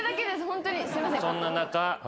そんな中。